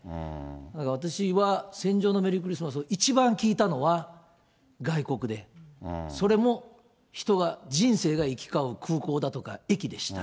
だから私は戦場のメリークリスマス、一番聴いたのは外国で、それも人が、人生が行き交う空港だとか駅でした。